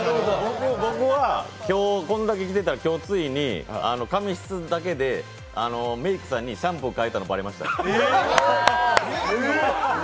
僕は今日、こんだけ来てたら今日ついに、髪質だけで、メイクさんにシャンプー変えたのばれました。